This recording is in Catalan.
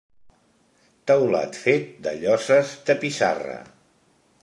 Teulat fet de lloses de pissarra.